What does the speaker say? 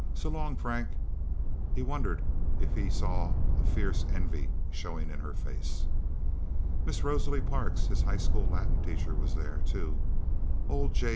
"So long, Frank..." He wondered if he saw a fierce envy showing in her face. Miss Rosalie Parks, his high school Latin teacher, was there, too. Old J.